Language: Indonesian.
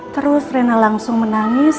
terus rena langsung menangis